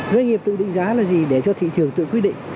doanh nghiệp tự định giá là gì để cho thị trường tự quyết định